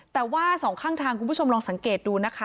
แต่ว่าสองข้างทางคุณผู้ชมลองสังเกตดูนะคะ